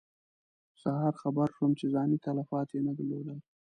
سهار خبر شوم چې ځاني تلفات یې نه درلودل.